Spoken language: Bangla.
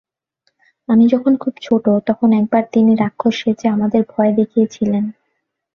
আমি যখন খুব ছোট, তখন একবার তিনি রাক্ষস সেজে আমাদের ভয় দেখিয়ে- ছিলেন।